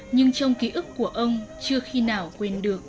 nhưng trong ký ức của ông chưa khi nào quên được